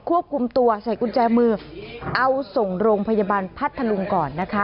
ควบคุมตัวใส่กุญแจมือเอาส่งโรงพยาบาลพัทธลุงก่อนนะคะ